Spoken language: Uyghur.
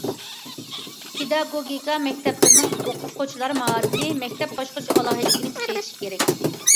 پېداگوگىكا مەكتەپلىرىنىڭ ئوقۇتقۇچىلار مائارىپى مەكتەپ باشقۇرۇش ئالاھىدىلىكىنى كۈچەيتىش كېرەك.